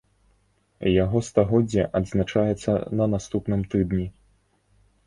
Яго стагоддзе адзначаецца на наступным тыдні.